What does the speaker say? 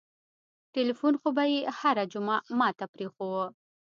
ټېلفون خو به يې هره جمعه ما ته پرېښووه.